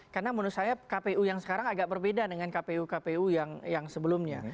karena menurut saya kpu yang sekarang agak berbeda dengan kpu kpu yang sebelumnya